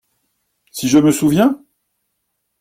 Si je me souviens !…